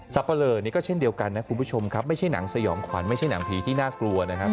ปะเลอนี่ก็เช่นเดียวกันนะคุณผู้ชมครับไม่ใช่หนังสยองขวัญไม่ใช่หนังผีที่น่ากลัวนะครับ